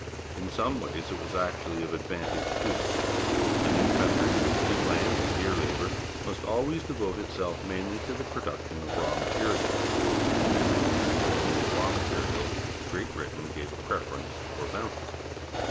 In some ways it was actually of advantage to them. A new country, with cheap land and dear labour, must always devote itself mainly to the production of raw materials, and to many of these colonial raw materials Great Britain gave a preference or bounties.